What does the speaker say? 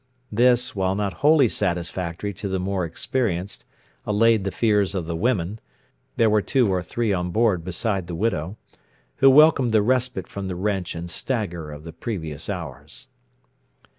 This, while not wholly satisfactory to the more experienced, allayed the fears of the women there were two or three on board beside the widow who welcomed the respite from the wrench and stagger of the previous hours.